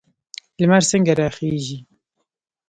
لمر څنګه راخیږي؟